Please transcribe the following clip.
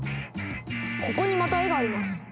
ここにまた絵があります！